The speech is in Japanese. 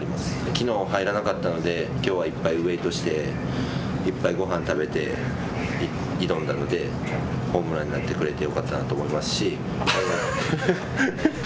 きのう入らなかったのできょうはいっぱいウエイトしていっぱいごはん食べて挑んだのでホームランになってくれてよかったなと思いますし。